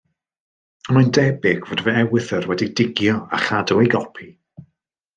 Y mae'n debyg fod fy ewythr wedi digio a chadw ei gopi.